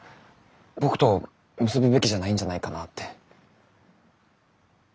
僕と結ぶべきじゃないんじゃないかなって。